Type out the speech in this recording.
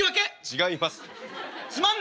違います。